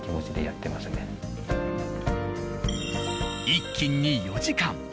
一斤に４時間。